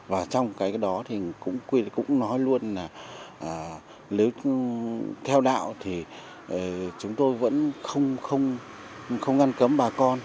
và trong cái đó thì cũng nói luôn là nếu theo đạo thì chúng tôi vẫn không ngăn cấm bà con